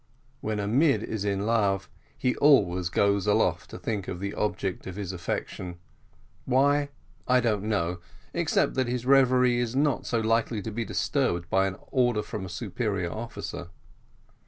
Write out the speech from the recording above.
When a mid is in love, he always goes aloft to think of the object of his affection; why, I don't know, except that his reverie is not so likely to be disturbed by an order from a superior officer.